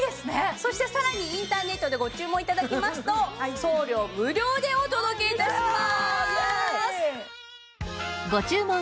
そしてさらにインターネットでご注文頂きますと送料無料でお届け致します。